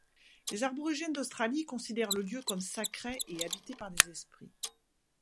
Les Aborigènes d'Australie considèrent le lieu comme sacré et habité par des esprits.